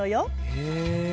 へえ。